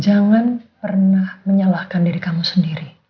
jangan pernah menyalahkan diri kamu sendiri